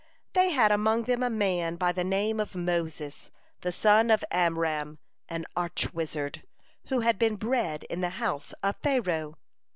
They had among them a man by the name of Moses, the son of Amram, an arch wizard, who had been bred in the house of Pharaoh.